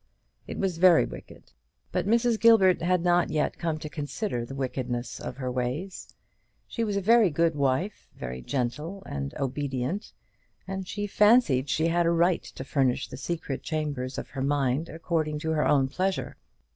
It was very wicked; but Mrs. Gilbert had not yet come to consider the wickedness of her ways. She was a very good wife, very gentle and obedient; and she fancied she had a right to furnish the secret chambers of her mind according to her own pleasure.